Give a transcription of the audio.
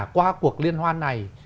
qua cuộc liên hoan này